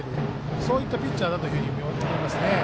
そういったピッチャーだというふうに思いますね。